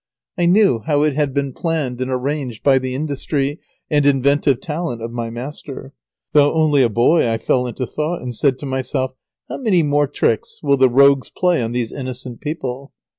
I knew how it had been planned and arranged by the industry and inventive talent of my master. Though only a boy I fell into thought, and said to myself, "How many more tricks will the rogues play on these innocent people!"